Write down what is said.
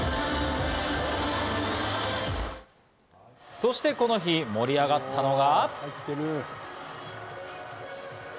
そしてこの日、盛り上がったのは。